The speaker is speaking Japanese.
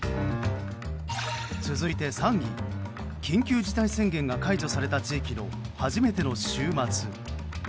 続いて、３位緊急事態宣言が解除された地域の初めての週末。